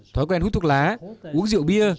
thói quen hút thuốc lá uống rượu bia